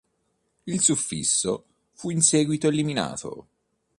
Il suffisso fu in seguito eliminato.